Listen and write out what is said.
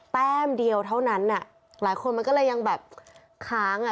แต้มเดียวเท่านั้นอ่ะหลายคนมันก็เลยยังแบบค้างอ่ะ